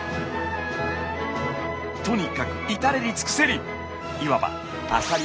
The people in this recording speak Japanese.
とにかく至れり尽くせり。